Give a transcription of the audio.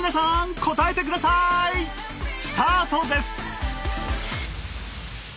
スタートです！